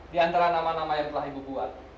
di antara nama nama yang telah ibu buat